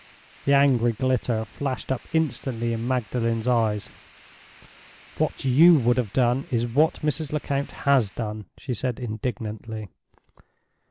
The angry glitter flashed up instantly in Magdalen's eyes. "What you would have done is what Mrs. Lecount has done," she said, indignantly.